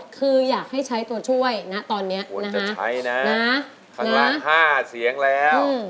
คืออยากให้ใช้ตัวช่วยนะตอนเนี้ยนะฮะควรจะใช้นะนะครั้งละห้าเสียงแล้วอืม